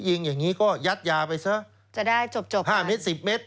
ยิงอย่างงี้ก็ยัดยาไปซะจะได้จบจบ๕เมตร๑๐เมตร